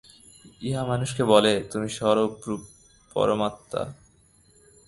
ইহা মানুষকে বলে, তুমি স্বরূপত পরমাত্মা।